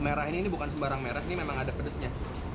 merah ini ini bukan sembarang merah ini memang ada pedesnya